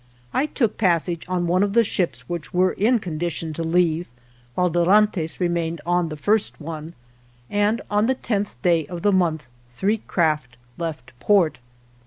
I took passage on one of the ships which were in condition to leave, while Dorantes remained on the first one, 64 and on the tenth day of the month three craft left port.